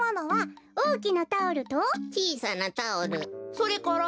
それから？